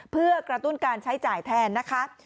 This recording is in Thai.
เพื่อกระตุ้นการใช้จ่ายแทนนะคะ